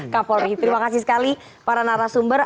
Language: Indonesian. kak polri terima kasih sekali para narasumber